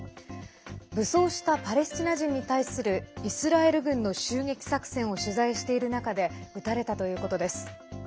武装したパレスチナ人に対するイスラエル軍の襲撃作戦を取材している中で撃たれたということです。